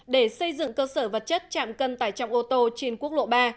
để xây dựng cơ sở vật chất chạm cân tải trọng ô tô trên quốc lộ ba